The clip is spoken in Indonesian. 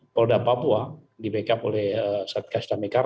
polda papua di backup oleh satgas damekar